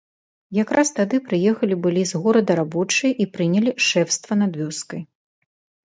Якраз тады прыехалі былі з горада рабочыя і прынялі шэфства над вёскай.